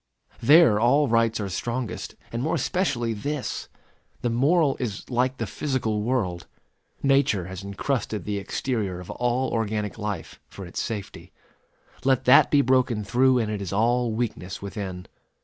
There all rights are strongest, and more especially this. The moral is like the physical world. Nature has incrusted the exterior of all organic life, for its safety. Let that be broken through, and it is all weakness within.